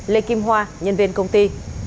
lê kim hoa nhân viên công ty